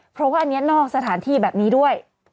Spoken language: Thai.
เพราะว่าอันนี้นอกสถานที่แบบนี้ด้วย